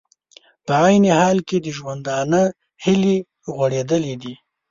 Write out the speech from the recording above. په عین حال کې د ژوندانه هیلې غوړېدلې دي